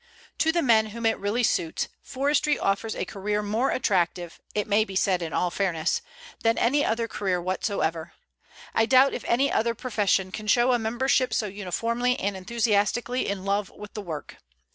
To the men whom it really suits, forestry offers a career more attractive, it may be said in all fairness, than any other career whatsoever. I doubt if any other profession can show a membership so uniformly and enthusiastically in love with the work.